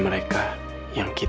seri nama penggeluh